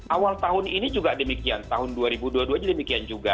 awal tahun ini juga demikian tahun dua ribu dua puluh dua juga demikian juga